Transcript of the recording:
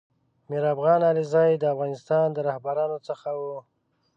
میر افغان علیزی دافغانستان د رهبرانو څخه و